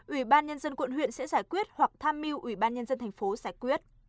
ủy ban nhân dân quận huyện sẽ giải quyết hoặc tham mưu ủy ban nhân dân thành phố giải quyết